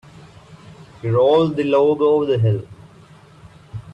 We rolled the log over the hill.